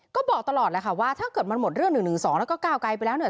ก็บอกตลอดแหละค่ะว่าถ้าเกิดมันหมดเรื่อง๑๑๒แล้วก็ก้าวไกลไปแล้วเนี่ย